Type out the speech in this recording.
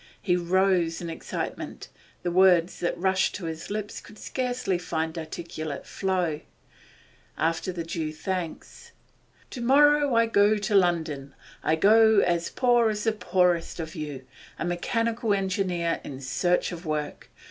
He rose in excitement; the words that rushed to his lips could scarcely find articulate flow. After the due thanks: 'To morrow I go to London; I go as poor as the poorest of you, a mechanical engineer in search of work.